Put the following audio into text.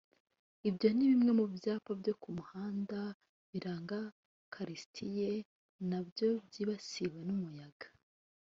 Ibyo ni bimwe mu byapa byo ku muhanda biranga karitsiye nabyo byibasiwe n’uyu muyaga